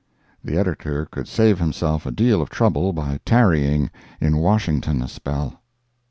The editor could save himself a deal of trouble by tarrying in Washington a spell.